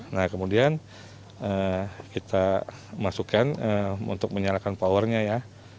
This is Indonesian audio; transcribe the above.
nah kemudian kita masukkan untuk menyalakan powernya ya